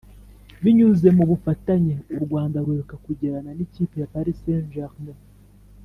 binyuze mu bufatanye u rwanda ruheruka kugirana n’ikipe paris saint-germain